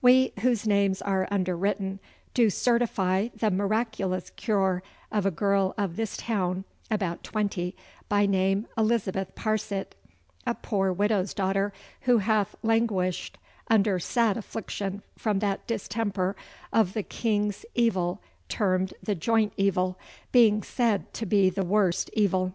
'We, whose names are underwritten, do certify the miraculous cure of a girl of this town, about twenty, by name Elizabeth Parcet, a poor widow's daughter, who hath languished under sad affliction from that distemper of the king's evil termed the joint evil, being said to be the worst evil.